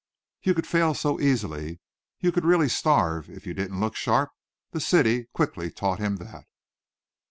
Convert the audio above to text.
You could fail so easily. You could really starve if you didn't look sharp, the city quickly taught him that.